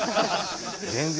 全然。